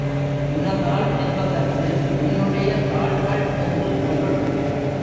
உனதாள் என்பதற்கு உன்னுடைய தாள்கள் என்று பொருள்.